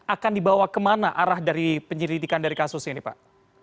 akan dibawa kemana arah dari penyelidikan dari kasus ini pak